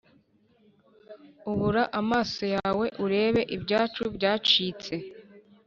Ubura amaso yawe urebe ibyacu byacitse